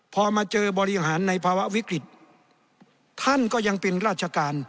พอมาเจอบริหารในภาวะวิกฤตท่านก็ยังเป็นราชการ